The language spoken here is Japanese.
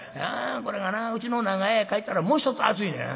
これがなうちの長屋へ帰ったらもう一つ暑いねや。